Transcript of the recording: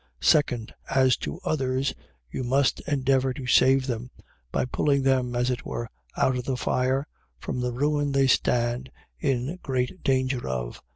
2d, As to others you must endeavour to save them, by pulling them, as it were, out of the fire, from the ruin they stand in great danger of.